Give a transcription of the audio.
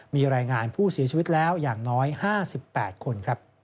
มีรายงานผู้เสียชีวิตแล้วอย่างน้อย๕๘คน